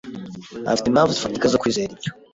Afite impamvu zifatika zo kwizera ibyo.